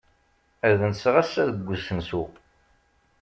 Ad nseɣ ass-a deg usensu.